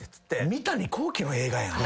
三谷幸喜の映画やん。